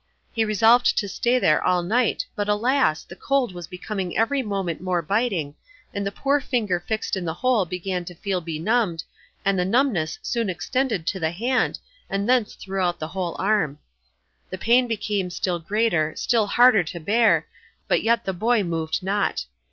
He resolved to stay there all night, but alas! the cold was becoming every moment more biting, and the poor finger fixed in the hole began to feel benumbed, and the numbness soon extended to the hand, and thence throughout the whole arm. The pain became still greater, still harder to bear, but yet the boy moved not.